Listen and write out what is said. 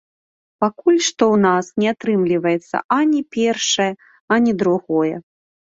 Пакуль што ў нас не атрымліваецца ані першае, ані другое.